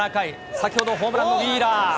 先ほどホームランのウィーラー。